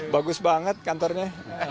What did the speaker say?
bagus banget kantornya